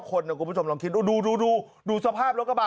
๙คนเดี๋ยวกลุ่มผู้ชมลองคิดดูดูสภาพรถกระบะ